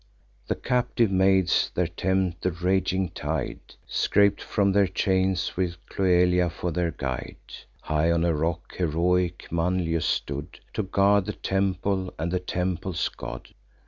The captive maids there tempt the raging tide, Scap'd from their chains, with Cloelia for their guide. High on a rock heroic Manlius stood, To guard the temple, and the temple's god.